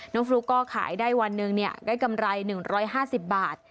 ฟลุ๊กก็ขายได้วันหนึ่งได้กำไร๑๕๐บาท